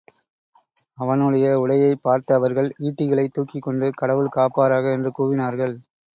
அவனுடைய உடையைப் பார்த்த அவர்கள், ஈட்டிகளைத் தூக்கிக் கொண்டு, கடவுள் காப்பாராக! என்று கூவினார்கள்.